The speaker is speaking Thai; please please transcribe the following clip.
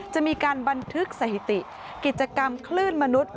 จะมีการบันทึกสถิติกิจกรรมคลื่นมนุษย